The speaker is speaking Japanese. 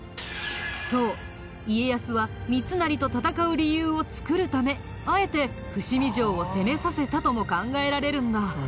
そう家康は三成と戦う理由を作るためあえて伏見城を攻めさせたとも考えられるんだ。